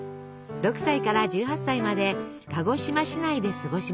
６歳から１８歳まで鹿児島市内で過ごしました。